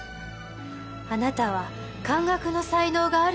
あなたは漢学の才能があるんですもの。